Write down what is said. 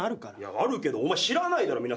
あるけどお前知らないだろ皆さんの過去。